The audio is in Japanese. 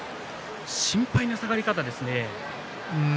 心配な下がり方ですね。